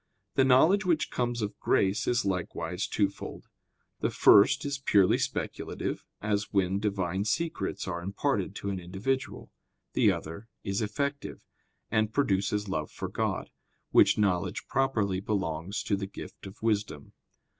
The knowledge which comes of grace is likewise twofold: the first is purely speculative, as when Divine secrets are imparted to an individual; the other is effective, and produces love for God; which knowledge properly belongs to the gift of wisdom.